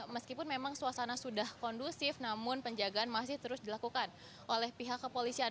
meskipun memang suasana sudah kondusif namun penjagaan masih terus dilakukan oleh pihak kepolisian